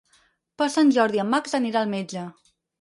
Per Sant Jordi en Max anirà al metge.